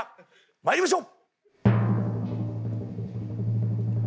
まいりましょう！